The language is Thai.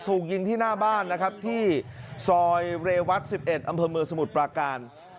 ถูกยิงที่หน้าบ้านนะครับที่ซอยเรวัต๑๑อำเภอเมืองสมุทรปราการ